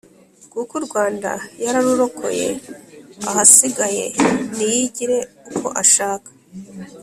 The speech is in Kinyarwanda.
kuko urwanda yararukoye ahasigaye niyigire uko ashaka